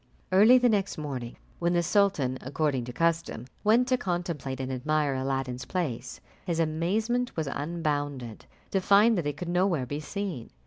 Early the next morning, when the sultan, according to custom, went to contemplate and admire Aladdin's place, his amazement was unbounded to find that it could nowhere be seen.